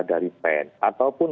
dari pen ataupun